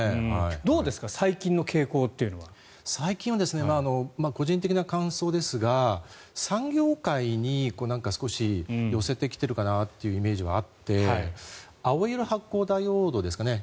どうですか最近の傾向というのは。最近は個人的な感想ですが産業界に少し寄せてきているかなというイメージはあって青色発光ダイオードですかね